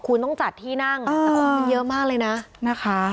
คุณต้องจัดที่นั่งเยอะมากเลยนะ